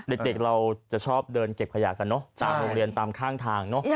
เด็กเราจะชอบเดินเก็บขยะกันเนอะตามโรงเรียนตามข้างทางเนอะ